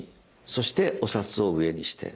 そしてお札を上にして。